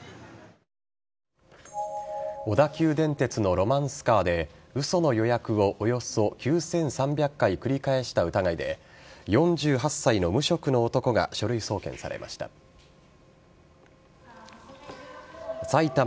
小田急電鉄のロマンスカーで嘘の予約をおよそ９３００回繰り返した疑いで４８歳の無職の男が書類送検されました。